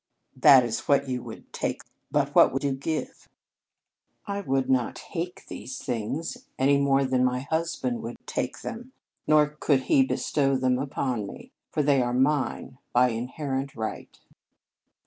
"That is what you would take. But what would you give?" "I would not 'take' these things any more than my husband would 'take' them. Nor could he bestow them upon me, for they are mine by inherent right."